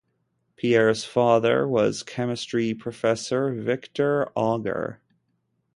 Pierre's father was chemistry professor Victor Auger.